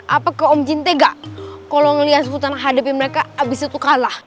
apakah om jin tega kalo ngeliat sultan hadepin mereka abis itu kalah